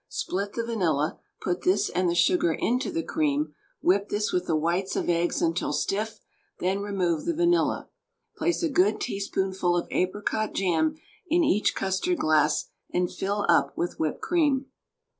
Split the vanilla, put this and the sugar into the cream; whip this with the whites of eggs until stiff, then remove the vanilla. Place a good teaspoonful of apricot jam in each custard glass, and fill up with whipped cream.